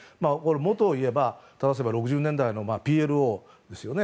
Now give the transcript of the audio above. もとをただせば６０年代のＰＬＯですよね。